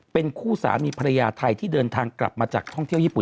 เป็นคู่สามีภรรยาไทยที่เดินทางกลับมาจากท่องเที่ยวญี่ปุ่น